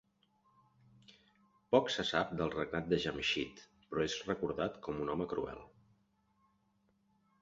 Poc se sap del regnat de Jamsheed, però és recordat com un home cruel.